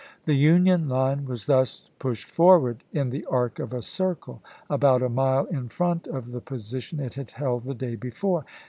The Union line was thus pushed forward in the arc of a circle about a mile in front of the position it had held the day before.